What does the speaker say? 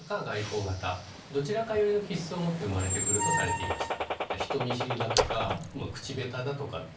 どちらか寄りの気質を持って生まれてくるとされていました。